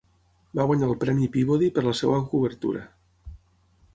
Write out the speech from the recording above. Va guanyar el premi Peabody per la seva cobertura.